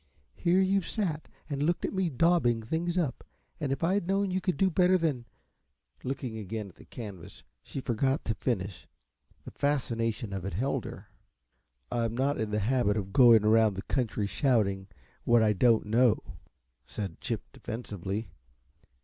"Here you've sat and looked on at me daubing things up and if I'd known you could do better than " Looking again at the canvas she forgot to finish. The fascination of it held her. "I'm not in the habit of going around the country shouting what I don't know," said Chip, defensively.